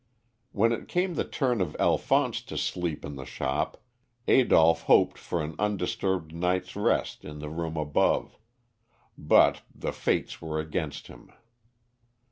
When it came the turn of Alphonse to sleep in the shop, Adolph hoped for an undisturbed night's rest in the room above, but the Fates were against him.